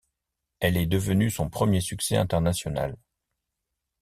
Elle est devenue son premier succès international.